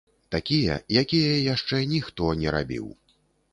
Такія, якія яшчэ ніхто не рабіў!